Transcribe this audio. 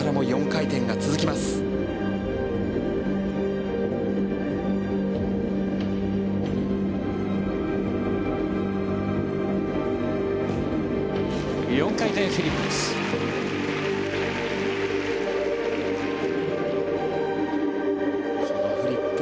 ４回転フリップ。